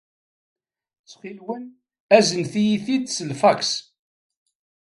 Ttxil-wen, aznet-iyi-t-id s lfaks.